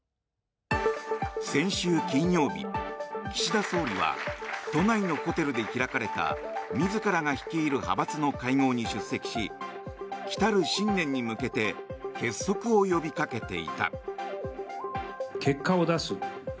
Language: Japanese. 先週金曜日、岸田総理は都内のホテルで開かれた自ら率いる派閥の会合に出席し来たる新年に向けて結束を呼びかけていた。